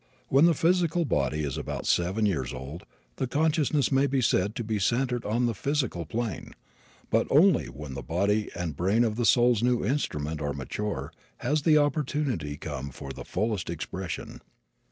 When the physical body is about seven years old the consciousness may be said to be centered on the physical plane, but only when the body and brain of the soul's new instrument are mature has the opportunity come for the fullest expression.